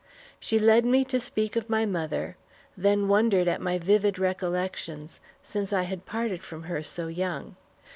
She led me to speak of mother, then wondered at my vivid recollections, since I had parted from her so young.